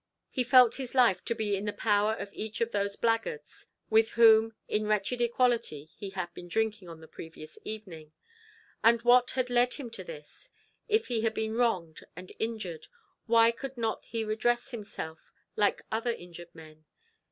He felt his life to be in the power of each of those blackguards, with whom, in wretched equality, he had been drinking on the previous evening. And what had led him to this? If he had been wronged and injured, why could not he redress himself like other injured men?